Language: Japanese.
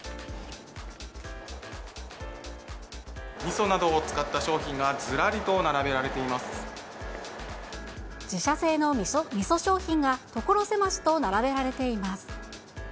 みそなどを使った商品が、自社製のみそ商品が所狭しと並べられています。